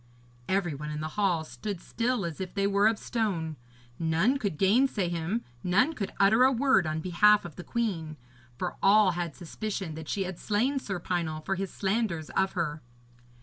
Every one in the hall stood still as if they were of stone. None could gainsay him, none could utter a word on behalf of the queen, for all had suspicion that she had slain Sir Pinel for his slanders of her.